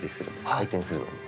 回転するので。